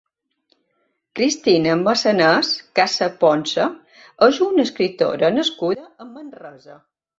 Cristina Masanés Casaponsa és una escriptora nascuda a Manresa.